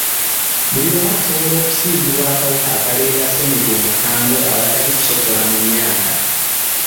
Buli omu asobola okusiigibwa akawuka akaleeta ssennyiga omukambwe awatali kusosola mu myaka.